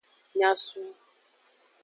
Nyasun.